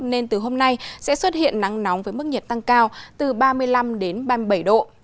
nên từ hôm nay sẽ xuất hiện nắng nóng với mức nhiệt tăng cao từ ba mươi năm đến ba mươi bảy độ